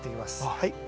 はい。